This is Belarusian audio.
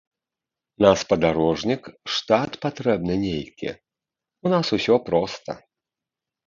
На спадарожнік штат патрэбны нейкі, у нас усё проста.